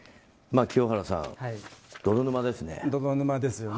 清原さん、泥沼ですね。